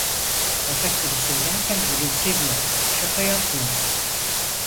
Fakat bunu söylerken gülümsemiyor, şaka yapmıyordu.